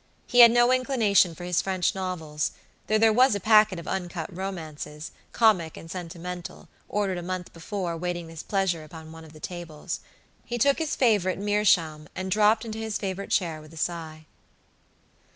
He had no inclination for his French novels, though there was a packet of uncut romances, comic and sentimental, ordered a month before, waiting his pleasure upon one of the tables. He took his favorite meerschaum and dropped into his favorite chair with a sigh.